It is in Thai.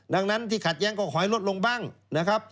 ดังนั้นที่ขัดแย้งก็ขอให้ลดลงบ้างนะครับ